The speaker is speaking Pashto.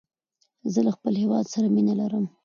زه له خپل هيواد سره مینه لرم.